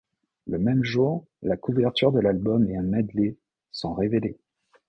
Le même jour, la couverture de l'album et un medley sont révélés.